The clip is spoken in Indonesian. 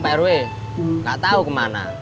pak irwi gak tau kemana